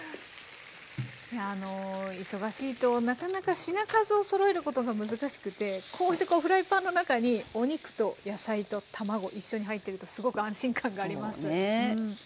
忙しいとなかなか品数をそろえることが難しくてこうしてこうフライパンの中にお肉と野菜と卵一緒に入ってるとすごく安心感があります。